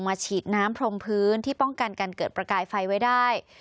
ฉีดน้ำพรมพื้นที่ป้องกันการเกิดประกายไฟไว้ได้